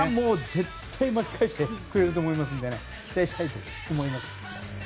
絶対巻き返してくれると思いますので期待したいと思います。